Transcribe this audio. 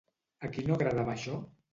A qui no agradava això?